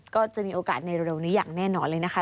ก็จะมีโอกาสในเร็วนี้อย่างแน่นอนเลยนะคะ